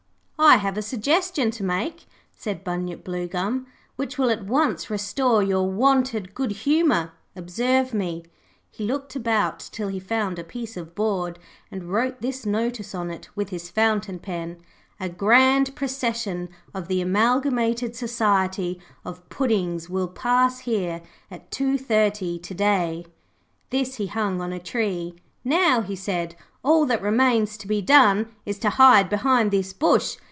'I have a suggestion to make,' said Bunyip Bluegum, 'which will at once restore your wonted good humour. Observe me.' He looked about till he found a piece of board, and wrote this notice on it with his fountain pen A GRAND PROCESSION OF THE AMALGAMATED SOCIETY OF PUDDINGS WILL PASS HERE AT 2.30 TO DAY This he hung on a tree. 'Now,' said he, 'all that remains to be done is to hide behind this bush.